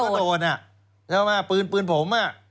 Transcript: ก็ต้องโดด